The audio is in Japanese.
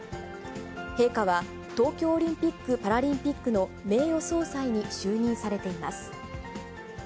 陛下は東京オリンピック・パラリンピックの名誉総裁に就任されています。